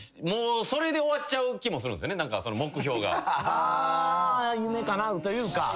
あ夢かなうというか。